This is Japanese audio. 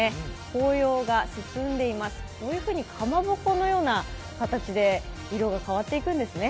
紅葉が進んでいます、こういうふうにかまぼこのような形で色が変わっていくんですね。